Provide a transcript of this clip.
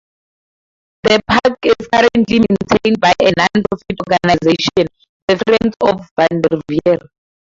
The park is currently maintained by a nonprofit organization, The Friends of Vander Veer.